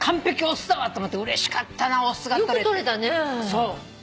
そう。